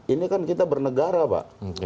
ini kan kita bernegara pak